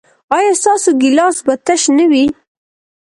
ایا ستاسو ګیلاس به تش نه وي؟